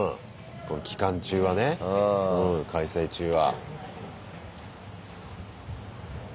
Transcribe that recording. この期間中はね。開催中は。